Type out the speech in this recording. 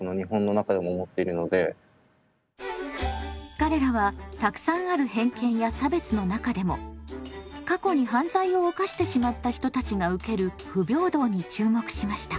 彼らはたくさんある偏見や差別の中でも過去に犯罪を犯してしまった人たちが受ける不平等に注目しました。